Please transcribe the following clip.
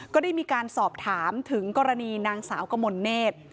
ก็ได้มีการสอบถามถึงกรณีนางสาวกมลเนธ